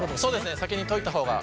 先に溶いた方が。